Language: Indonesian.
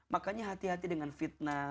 makanya hati hati dengan fitnah